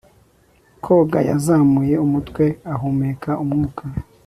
koga yazamuye umutwe ahumeka umwuka